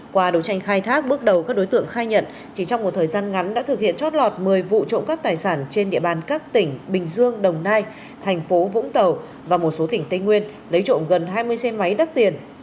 qua đầu tranh khai thác bước đầu các đối tượng khai nhận chỉ trong một thời gian ngắn đã thực hiện trót lọt một mươi vụ trộm cắp tài sản trên địa bàn các tỉnh bình dương đồng nai thành phố vũng tàu và một số tỉnh tây nguyên lấy trộm gần hai mươi xe máy đắt tiền